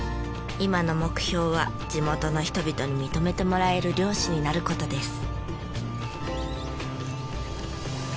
今の目標は地元の人々に認めてもらえる漁師になる事です。